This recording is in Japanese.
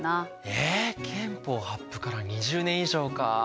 え憲法発布から２０年以上か。